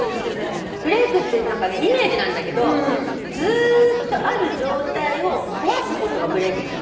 ｂｒｅａｋってイメージなんだけどずーっとある状態を壊すことがｂｒｅａｋなんだよね。